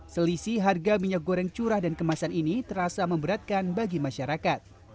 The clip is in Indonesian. selisih harga minyak goreng curah dan kemasan ini terasa memberatkan bagi masyarakat